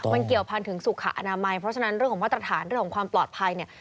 มันเกี่ยวพันธุ์ถึงสุขอนามัยเพราะฉะนั้นเรื่องของมาตรฐานเรื่องของความปลอดภัยเนี่ย